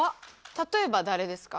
例えば誰ですか？